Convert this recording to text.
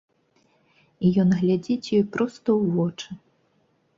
І ён глядзіць ёй проста ў вочы.